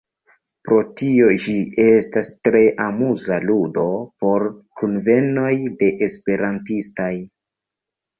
Pro tio, ĝi estas tre amuza ludo por kunvenoj de esperantistaj.